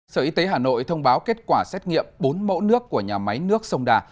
sở y tế hà nội thông báo kết quả xét nghiệm bốn mẫu nước của nhà máy nước sông đà